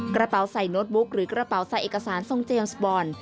กระเป๋าใส่โน้ตบุ๊กหรือกระเป๋าใส่เอกสารทรงเจมส์บอล